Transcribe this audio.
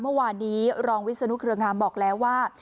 เมื่อวานนี้รองวิศนุเครืองามบอกแล้วว่า